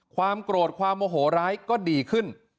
ความโกรธความโมโหร้ายก็ดีขึ้น